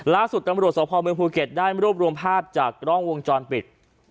ล่าสุดตำรวจสวพมภูเก็ตได้รูปรวมภาพจากร่องวงจรปิด